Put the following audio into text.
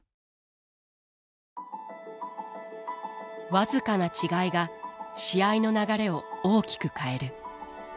僅かな違いが試合の流れを大きく変える。